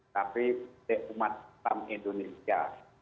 tapi umat islam indonesia